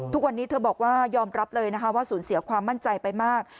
ทุกวันนี้เธอบอกว่ายอมรับเลยนะคะว่าสูญเสียความมั่นใจไปมาก